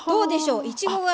いちごが。